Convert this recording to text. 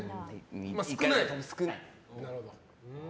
少ない？少ない。